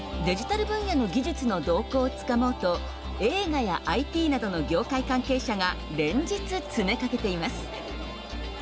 デジタル分野の技術の動向をつかもうと映画やＩＴなどの業界関係者が連日つめかけています。